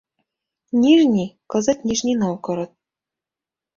Нижний — кызыт Нижний Новгород.